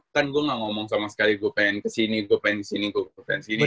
kan gue gak ngomong sama sekali gue pengen kesini gue pengen kesini gue pengen kesini